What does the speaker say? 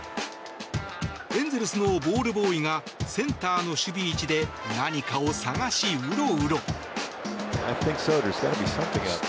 エンゼルスのボールボーイがセンターの守備位置で何かを探し、うろうろ。